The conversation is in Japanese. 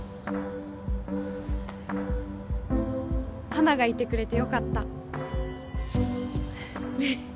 花がいてくれて、よかった。